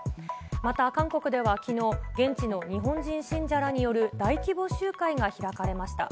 また、韓国では昨日、現地の日本人信者らによる大規模集会が開かれました。